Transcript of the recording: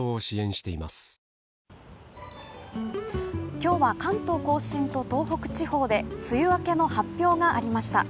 今日は関東甲信と東北地方で梅雨明けの発表がありました。